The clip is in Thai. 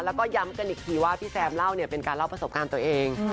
แล้วก็ย้ำกันอีกทีว่าพี่แซมเล่าเนี่ยเป็นการเล่าประสบการณ์ตัวเอง